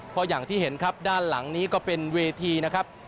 เพราะอย่างที่เห็นครับด้านหลังนี้ก็เป็นเวทีนะครับ